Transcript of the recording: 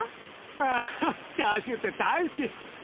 わチャーシューって大好き。